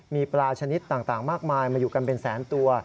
มีปลาชนิดต่างมากมายมาอยู่กันเป็นแสนตัว